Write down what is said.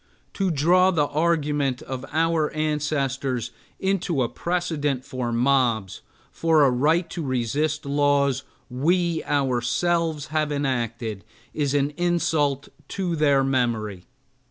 To draw the argument of our ancestors into a precedent for mobs, for a right to resist laws we ourselves have enacted, is an insult to their memory.